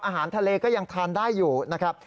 อาหารทะเลก็ยังทานได้อยู่นะครับ